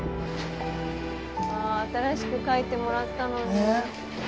新しく描いてもらったのに。